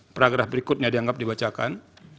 program berikutnya dianggap dibacakan